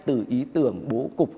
từ ý tưởng bố cục